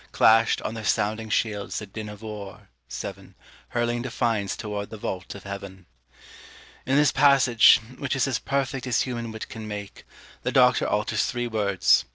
Clash'd on their sounding shields the din of war, 7. Hurling defiance tow'rd the Vault of heaven. In this passage, which is as perfect as human wit can make, the Doctor alters three words.